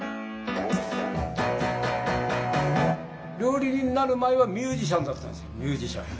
料理人になる前はミュージシャンだったんですよミュージシャン。